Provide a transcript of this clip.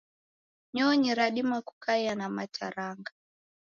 Nyonyi radima kukaia na mataranga.